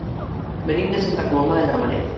Venim de Santa Coloma de Gramenet.